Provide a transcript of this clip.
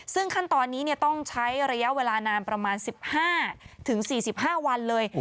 ซึ่งขั้นตอนนี้ต้องใช้ระยะเวลานานประมาณ๑๕๔๕วันเลย